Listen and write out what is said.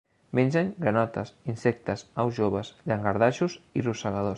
Mengen granotes, insectes, aus joves, llangardaixos i rosegadors.